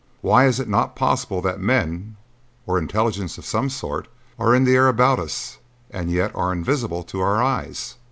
Why is it not possible that men, or intelligences of some sort, are in the air about us and yet are invisible to our eyes!"